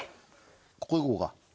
ここ行こうか。